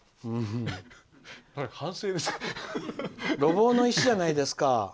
路傍の石じゃないですか。